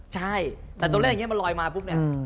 ใช่แต่ตัวเลขอย่างนี้มันลอยมาปุ๊บเนี่ย